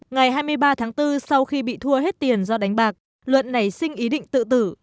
ngày hai mươi ba tháng bốn sau khi bị thua hết tiền do đánh bạc luận nảy sinh ý định tự tử